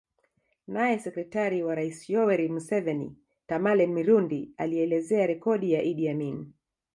Naye sekretari wa rais Yoweri Museveni Tamale Mirundi alielezea rekodi ya Idi Amin